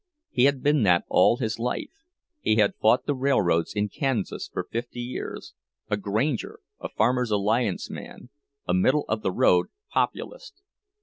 He had been that all his life—he had fought the railroads in Kansas for fifty years, a Granger, a Farmers' Alliance man, a "middle of the road" Populist.